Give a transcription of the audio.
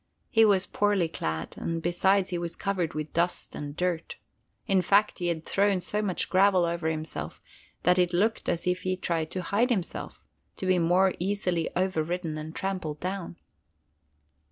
He was poorly clad, and besides he was covered with dust and dirt. In fact, he had thrown so much gravel over himself that it looked as if he tried to hide himself, to be more easily over ridden and trampled down.